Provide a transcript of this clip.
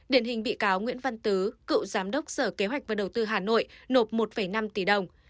điển hình bị cáo nguyễn văn tứ cựu giám đốc sở kế hoạch và đầu tư hà nội nộp một năm tỷ đồng